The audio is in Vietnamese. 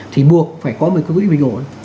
thì buộc phải có một cái quỹ bình ổn